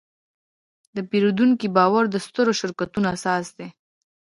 د پیرودونکي باور د سترو شرکتونو اساس دی.